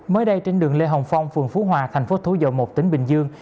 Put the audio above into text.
mới đây trên đường lê hồng phong phường phú hòa thành phố thủ dầu một tỉnh bình dương